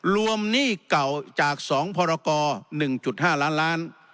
หนี้เก่าจาก๒พรกร๑๕ล้านล้าน